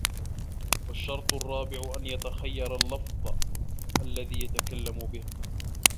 وَالشَّرْطُ الرَّابِعُ أَنْ يَتَخَيَّرَ اللَّفْظَ الَّذِي يَتَكَلَّمُ بِهِ